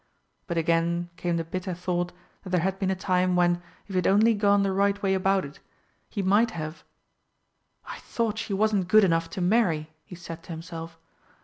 But again came the bitter thought that there had been a time when, if he had only gone the right way about it, he might have "I thought she wasn't good enough to marry," he said to himself.